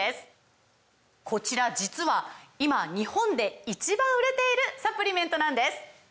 こちら実は今日本で１番売れているサプリメントなんです！